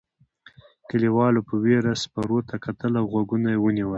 کليوالو په وېره سپرو ته کتل او غوږونه یې ونیول.